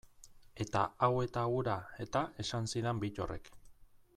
Eta hau eta hura, eta esan zidan Bittorrek.